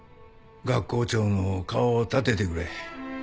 学校長の顔を立ててくれ。